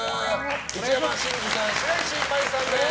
内山信二さん、白石麻衣さんです。